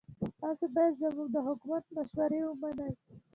تاسو باید زموږ د حکومت مشورې ومنئ.